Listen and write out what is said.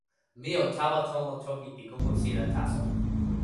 mi o tawa tomo toki pi kokosila taso.